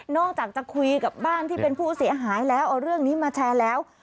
อกจากจะคุยกับบ้านที่เป็นผู้เสียหายแล้วเอาเรื่องนี้มาแชร์แล้ว